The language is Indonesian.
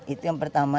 itu yang pertama